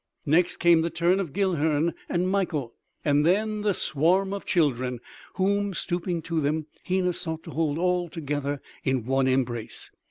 Next came the turn of Guilhern and Mikael and then the swarm of children, whom, stooping to them, Hena, sought to hold all together in one embrace.